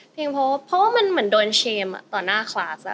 เพราะว่าเพราะว่ามันเหมือนโดนเชมต่อหน้าคลาส